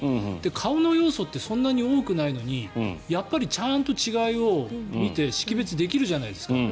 顔の要素ってそんなに多くないのにやっぱりちゃんと違いを見て識別できるじゃないですか。